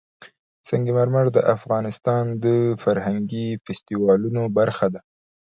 سنگ مرمر د افغانستان د فرهنګي فستیوالونو برخه ده.